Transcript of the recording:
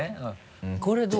これどう？